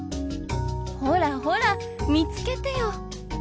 ほらほら見つけてよ。